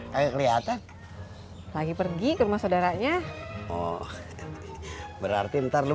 kan di lapangan banyak orang yang jualan